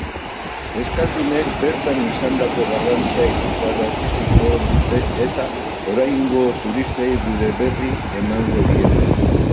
Euskaldunek bertan izandako garrantzia ikusaraziko dute eta oraingo turistei gure berri emango diete.